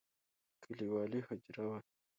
کليوالي حجره وه.